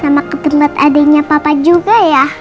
sama ketelat adeknya papa juga ya